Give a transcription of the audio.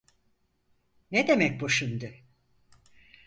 Ne demek bu şimdi?